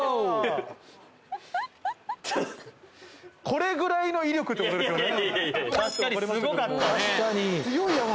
これぐらいの威力ってことですよね。